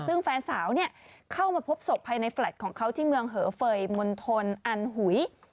ซึ่งแฟนสาวเข้ามาพบศพภายในแฟลต์ของเขาที่เมืองเหอเฟย์มณฑลอันหุย